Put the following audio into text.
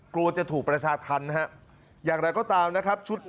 กลัวจะถูกประชาธรรมฮะอย่างไรก็ตามนะครับชุด